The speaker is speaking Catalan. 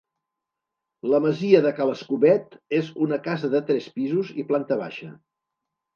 La masia de Ca l'Escobet és una casa de tres pisos i planta baixa.